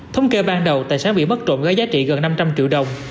thông kê ban đầu tài sản bị mất trộm gói giá trị gần năm trăm linh triệu đồng